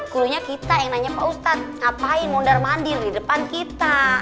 gurunya kita yang nanya pak ustadz ngapain mondar mandir di depan kita